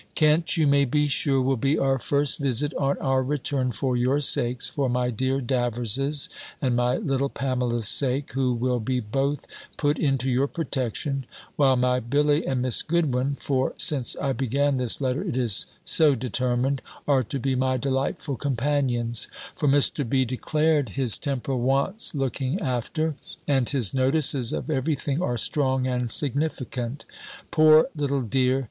Kent, you may be sure, will be our first visit, on our return, for your sakes, for my dear Davers's, and my little Pamela's sake, who will be both put into your protection; while my Billy, and Miss Goodwin (for, since I began this letter, it is so determined), are to be my delightful companions; for Mr. B. declared, his temper wants looking after, and his notices of every thing are strong and significant. Poor little dear!